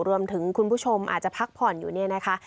รวมถึงคุณผู้ชมอาจจะพักผ่อนอยู่นี่นะคะ